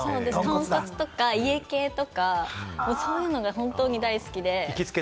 とんこつ系とか、家系とか、そういうのが本当に大好きで。